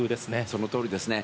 その通りですね。